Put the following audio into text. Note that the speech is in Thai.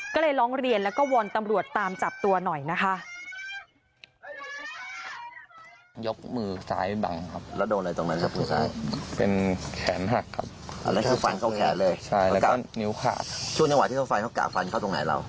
ก็เลยร้องเรียนแล้วก็วอนตำรวจตามจับตัวหน่อยนะคะ